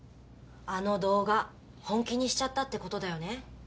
あの動画本気にしちゃったってことだよね？